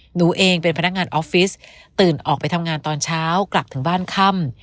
หนูเองเป็นพนักงานออฟฟิศตื่นออกไปทำงานตอนเช้ากลับถึงบ้านค่ำ